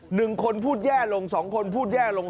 หนึ่งคนพูดแย่ลงสองคนพูดแย่ลง